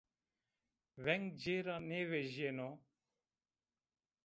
Veng ci ra nêvejîyeno